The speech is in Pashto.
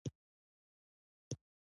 د خپلو تولیداتو په اړه په خپله تصمیم ونیسي.